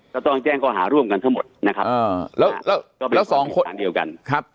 ก็ต้องแจ้งข้อหาร่วมกันทั้งหมดนะครับ